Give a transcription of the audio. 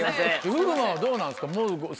風磨はどうなんですか？